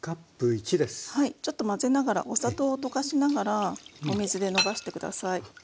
ちょっと混ぜながらお砂糖を溶かしながらお水でのばして下さい。